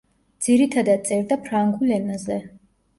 ძირითადად წერდა ფრანგულ ენაზე.